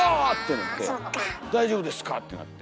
「大丈夫ですか⁉」ってなって。